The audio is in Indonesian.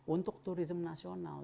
untuk turisme nasional